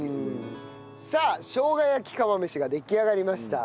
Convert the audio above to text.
さあしょうが焼き釜飯が出来上がりました。